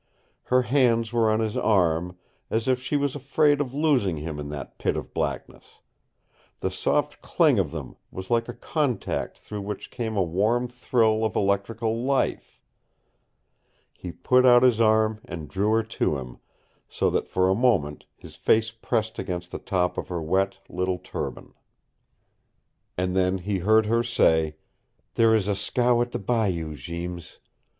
Her hands were on his arm, as if she was afraid of losing him in that pit of blackness; the soft cling of them was like a contact through which came a warm thrill of electrical life. He put out his arm and drew her to him, so that for a moment his face pressed against the top of her wet little turban. And then he heard her say: "There is a scow at the bayou, Jeems.